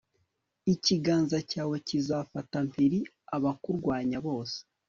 ikiganza cyawe kizafata mpiri abakurwanya bose